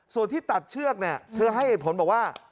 ส่วนที่ตัดเชือกเนี่ยเธอให้เหตุผลบอกว่า